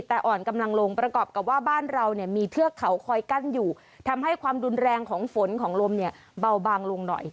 แต่อ่อนกำลังลงประกอบกับว่าบ้านเราเนี่ยมีเทือกเขาคอยกั้นอยู่ทำให้ความรุนแรงของฝนของลมเนี่ยเบาบางลงหน่อย